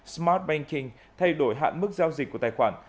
smart banking thay đổi hạn mức giao dịch của tài khoản